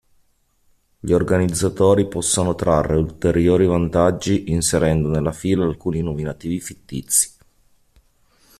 Gli organizzatori possono trarre ulteriori vantaggi inserendo nella fila alcuni nominativi fittizi.